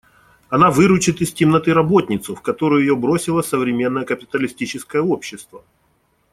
Она выручит из темноты работницу, в которую ее бросило современное капиталистическое общество.